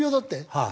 はい。